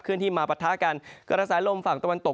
เคลื่อนที่มาปัดทะกันการะสายลมฝั่งตะวันตก